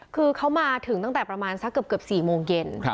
คือเขามาถึงตั้งแต่ประมาณสักเกือบ๔โมงเย็น